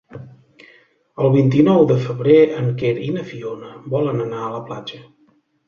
El vint-i-nou de febrer en Quer i na Fiona volen anar a la platja.